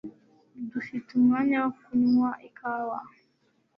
Dufite umwanya wo kunywa ikawa?